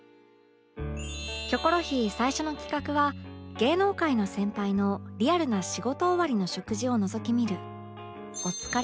『キョコロヒー』最初の企画は芸能界の先輩のリアルな仕事終わりの食事を覗き見る